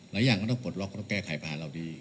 หลายอย่างก็ต้องปลดล็อกก็ต้องแก้ไขผ่านเราดี